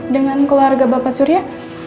dengan keluarga bapak surya